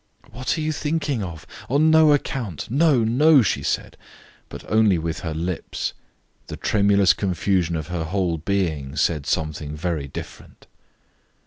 "What are you thinking of? On no account. No, no!" she said, but only with her lips; the tremulous confusion of her whole being said something very different.